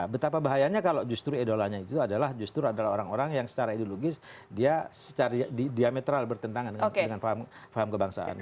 betapa bahayanya kalau justru idolanya itu adalah justru adalah orang orang yang secara ideologis dia secara diametral bertentangan dengan paham kebangsaan